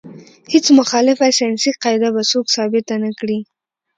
هیڅ مخالفه ساینسي قاعده به څوک ثابته نه کړي.